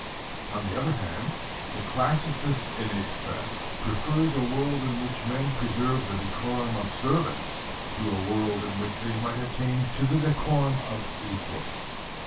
On the other hand, the classicist in excess prefers a world in which men preserve the decorum of servants to a world in which they might attain to the decorum of equals.